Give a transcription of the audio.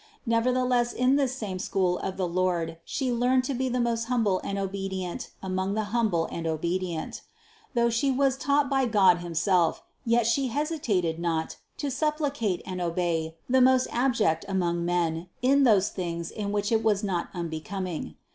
Nevertheless in this same school of the Lord She learned to be the most humble and obedient among the humble and obedient. Though She was taught by God himself, yet She hesitated not to suppli cate and obey the most abject among men in those things in which it was not unbecoming.